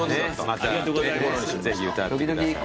またぜひ歌ってください。